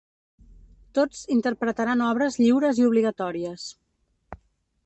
Tots interpretaran obres lliures i obligatòries.